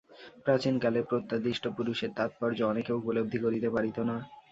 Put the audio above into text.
প্রাচীনকালে প্রত্যাদিষ্ট পুরুষের তাৎপর্য অনেকে উপলব্ধি করিতে পারিত না।